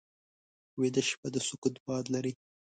ویده شپه د سکوت باد لري